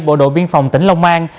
bộ đội biên phòng tỉnh long an